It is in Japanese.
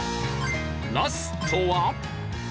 ラストは。